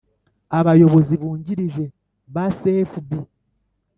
Abayobozi bungirije ba sfb